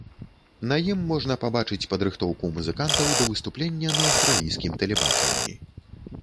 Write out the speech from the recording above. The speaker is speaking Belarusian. На ім можна пабачыць падрыхтоўку музыкантаў да выступлення на аўстралійскім тэлебачанні.